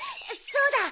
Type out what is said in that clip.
そうだ！